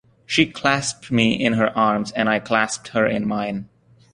She clasped me in her arms, and I clasped her in mine.